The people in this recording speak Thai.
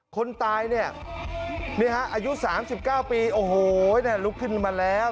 คนตายเนี่ยนี่ฮะอายุสามสิบเก้าปีโอ้โหเนี่ยลุกขึ้นมาแล้ว